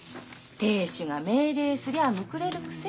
亭主が命令すりゃむくれるくせに。